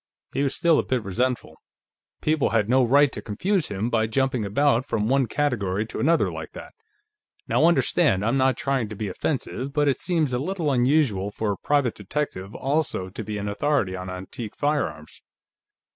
He was still a bit resentful; people had no right to confuse him by jumping about from one category to another, like that. "Now understand, I'm not trying to be offensive, but it seems a little unusual for a private detective also to be an authority on antique firearms."